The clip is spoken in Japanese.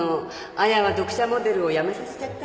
亜矢は読者モデルを辞めさせちゃったし。